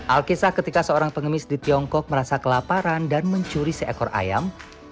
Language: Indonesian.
alkisah ketika seorang pengemis di tiongkok merasa kelaparan dan mencuri seekor ayam